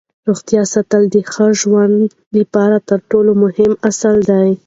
روغتیا ساتل د ښه ژوند لپاره تر ټولو مهم اصل دی